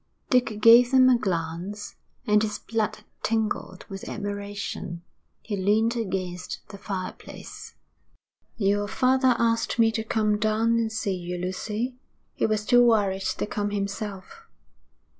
Dick gave them a glance, and his blood tingled with admiration. He leaned against the fireplace. 'Your father asked me to come down and see you, Lucy. He was too worried to come himself.'